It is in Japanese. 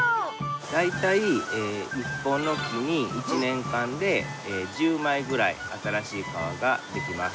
大体、１本の木で１年間で１０枚ぐらい新しい皮ができます。